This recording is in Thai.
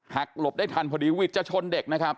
หากหลบได้ทันเพราะดิวิทยาชนเด็กนะครับ